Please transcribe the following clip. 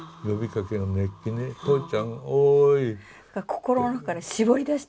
心の中で絞り出してる。